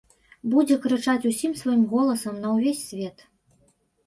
Будзе крычаць усім сваім голасам на ўвесь свет.